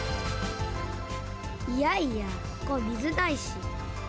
いやいやここ水ないし。